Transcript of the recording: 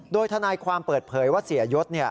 โดยทนายความเปิดเผยว่าเสียยศ